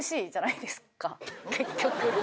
結局。